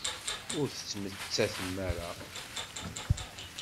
Ur tettmettatem ara.